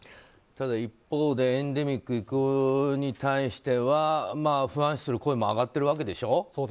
ただ一方でエンデミックの移行に対しては不安視する声も上がっているわけでしょ。